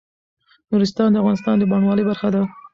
نورستان د افغانستان د بڼوالۍ برخه ده.